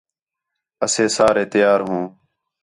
اسے سارے تیار ہوں